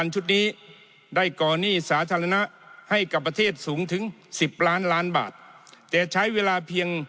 ชุดนี้ได้ก่อหนี้สาธารณะให้กับประเทศสูงถึง๑๐ล้านล้านบาทแต่ใช้เวลาเพียง